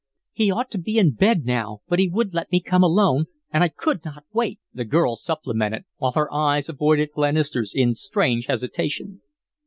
"He ought to be in bed now, but he wouldn't let me come alone, and I could not wait," the girl supplemented, while her eyes avoided Glenister's in strange hesitation.